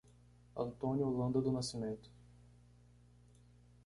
Antônio Holanda do Nascimento